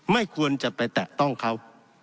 ไม่ควรจะไปแตะต้องเขา